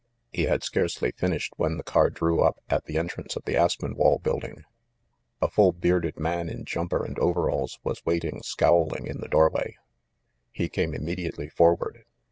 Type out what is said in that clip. He had scarcely finished when the car drew up at the entrance to the Aspenwall building. A full bearded man in jumper and overalls was waiting scowling in the doorway. He came immediately forward.